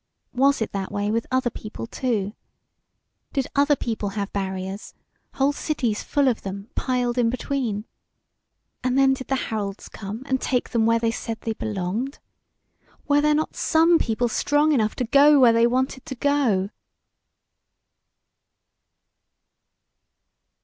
Was it that way with other people, too? Did other people have barriers whole cities full of them piled in between? And then did the Harolds come and take them where they said they belonged? Were there not some people strong enough to go where they wanted to go?